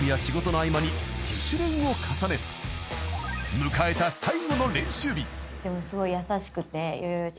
［迎えた最後の練習日］